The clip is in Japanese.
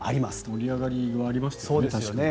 盛り上がりありましたね。